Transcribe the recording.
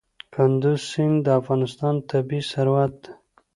کندز سیند د افغانستان طبعي ثروت دی.